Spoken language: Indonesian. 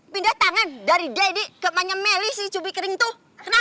pindah tangan dari daddy ke emaknya meli si cubi kering tuh